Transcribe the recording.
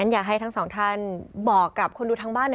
อยากให้ทั้งสองท่านบอกกับคนดูทางบ้านหน่อย